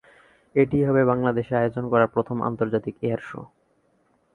এটিই হবে বাংলাদেশে আয়োজন করা প্রথম আন্তর্জাতিক এয়ার শো।